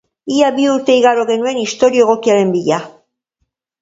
Ia bi urte igaro genuen istorio egokiaren bila.